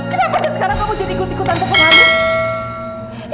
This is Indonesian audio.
kenapa saya sekarang ikut ikutan pepungan